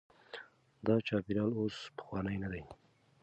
دا چاپیریال اوس پخوانی نه دی.